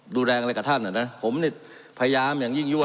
ดูแลอะไรกับท่านอ่ะนะผมเนี่ยพยายามอย่างยิ่งยั่